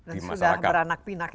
dan sudah beranak pinak